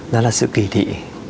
đó là sự kỳ thị